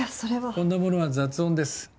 こんなものは雑音です